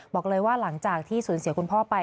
บอกเลยว่าหลังจากที่สูญเสียคุณพ่อไป